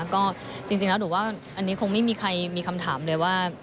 ก็จริงแล้วหนูว่าอันนี้คงไม่มีใครมีคำถามเลยว่า